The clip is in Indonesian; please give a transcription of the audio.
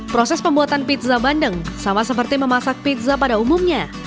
proses pembuatan pizza bandeng sama seperti memasak pizza pada umumnya